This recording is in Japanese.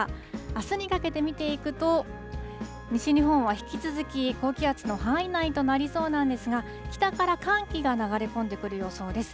あすにかけて見ていくと、西日本は引き続き高気圧の範囲内となりそうなんですが、北から寒気が流れ込んでくる予想です。